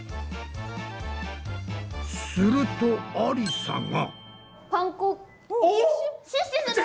するとありさが。